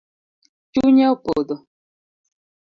Chunye opodho